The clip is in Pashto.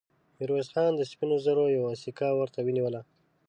ميرويس خان د سپينو زرو يوه سيکه ورته ونيوله.